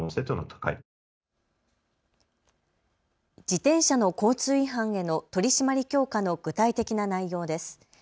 自転車の交通違反への取締り強化の具体的な内容です。